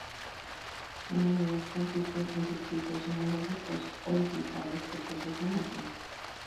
Una unidad consiste en circuitos analógicos o digitales que procesan la señal.